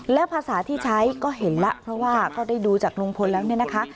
แล้วภาษาที่ใช้ก็เห็นแล้วเพราะว่าก็ได้ดูจากลุงพลแล้วเนี่ยนะคะ